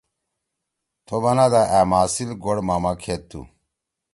تھو بنا دا أ ماسیِل گوڑ ماما کھید تُھو؟“